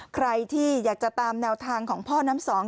ใครที่อยากจะตามแนวทางของพ่อน้ำสอง